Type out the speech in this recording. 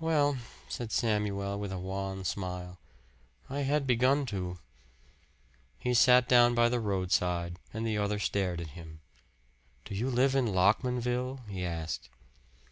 "Well," said Samuel with a wan smile, "I had begun to." He sat down by the roadside, and the other stared at him. "Do you live in Lockmanville?" he asked.